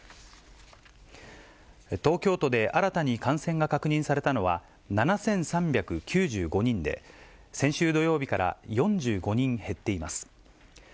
東京都で新たに感染が確認されたのは７３９５人で、先週土曜日から４５人減っています。